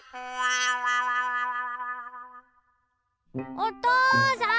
おとうさん！